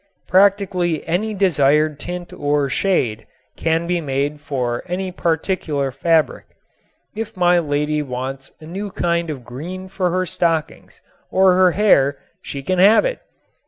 Practically any desired tint or shade can be made for any particular fabric. If my lady wants a new kind of green for her stockings or her hair she can have it.